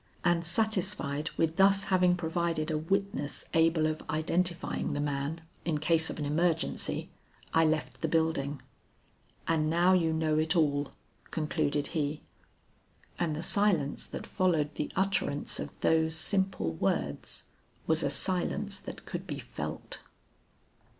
And satisfied with thus having provided a witness able of identifying the man, in case of an emergency, I left the building. "And now you know it all," concluded he; and the silence that followed the utterance of those simple words, was a silence that could be felt.